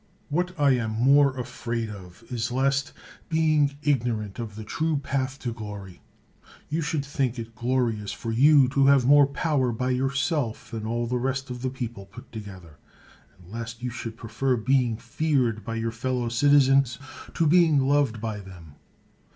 What I am more afraid of is lest, being igno rant of the true path to glory, you should think it glorious for you to have more power by your self than all the rest of the i)eople put together, and lest you should prefer being feared by your fellow citizens to being loved by them.